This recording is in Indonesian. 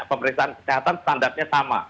pemeriksaan kesehatan standarnya sama